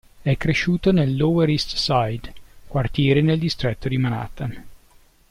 È cresciuto nel Lower East Side, quartiere nel distretto di Manhattan.